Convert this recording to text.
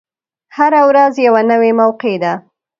هره ورځ یوه نوی موقع ده.